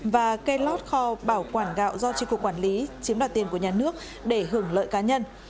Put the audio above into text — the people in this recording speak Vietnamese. và kê lót kho bảo quản gạo do tri cục quản lý chiếm đoạt tiền của nhà nước để hưởng lợi cá nhân